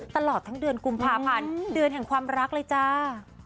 ตลอดทั้งเดือนกุมภาพันธ์เดือนแห่งความรักเลยจ้า